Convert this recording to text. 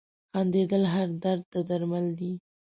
• خندېدل هر درد ته درمل دي.